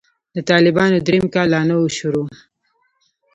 د طالبانو درېيم کال لا نه و شروع.